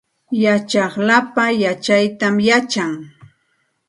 Yachaq lapa yachaytam yachan